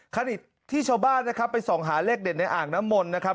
ขณะที่ชาวบ้านนะครับไปส่องหาเลขเด็ดในอ่างน้ำมนต์นะครับ